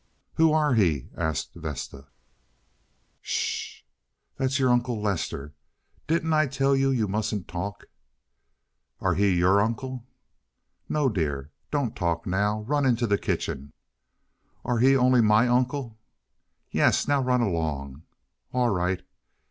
"Who are he?" asked Vesta. "Sh! That's your Uncle Lester. Didn't I tell you you mustn't talk?" "Are he your uncle?" "No, dear. Don't talk now. Run into the kitchen." "Are he only my uncle?" "Yes. Now run along." "All right."